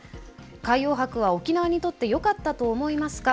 「海洋博は沖縄にとってよかったと思いますか？